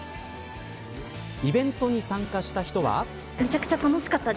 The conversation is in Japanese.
イベントに参加した人は。